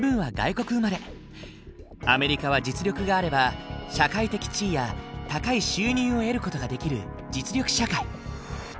アメリカは実力があれば社会的地位や高い収入を得る事ができる実力社会。